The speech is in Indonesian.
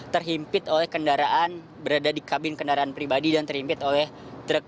terhimpit oleh kendaraan berada di kabin kendaraan pribadi dan terhimpit oleh truk